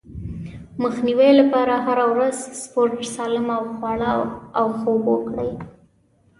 د مخنيوي لپاره هره ورځ سپورت، سالم خواړه او خوب وکړئ.